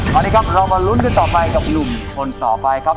สวัสดีครับเรามาลุ้นกันต่อไปกับหนุ่มคนต่อไปครับ